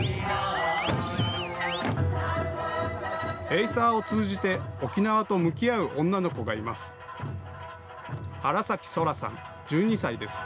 エイサーを通じて沖縄と向き合う女の子がいます。